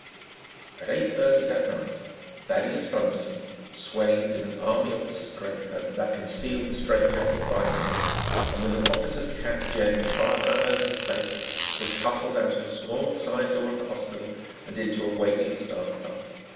At 8:30 that night, Thaddeus Funston, swathed in an Army officer's greatcoat that concealed the strait jacket binding him and with an officer's cap jammed far down over his face, was hustled out of a small side door of the hospital and into a waiting staff car.